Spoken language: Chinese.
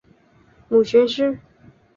母宣氏。